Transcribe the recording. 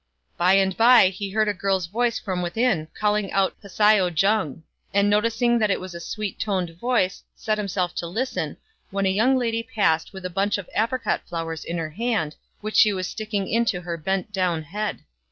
By and by he heard a girl's voice from within calling out Hsiao jung ; and, noticing that it was a sweet toned voice, set himself to listen, when a young lady passed with a bunch of apricot flowers in her hand, and occupied in putting hair pins into her downcast head.